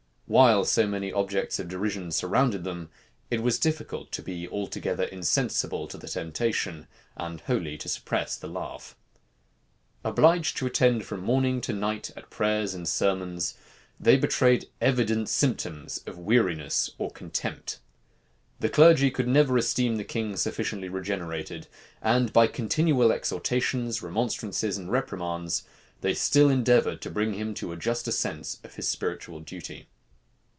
While so many objects of derision surrounded them, it was difficult to be altogether insensible to the temptation, and wholly to suppress the laugh. Obliged to attend from morning to night at prayers and sermons, they betrayed evident symptoms of weariness or contempt. The clergy never could esteem the king sufficiently regenerated; and by continual exhortations, remonstrances, and reprimands, they still endeavored to bring him to a juster sense of his spiritual duty.